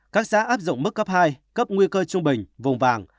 các xã áp dụng mức cấp hai cấp nguy cơ trung bình vùng vàng